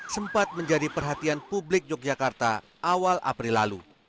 sempat menjadi perhatian publik yogyakarta awal april lalu